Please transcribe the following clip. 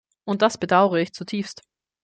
Und das bedaure ich zutiefst.